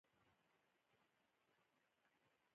هګۍ اوملت ته ښه خوند ورکوي.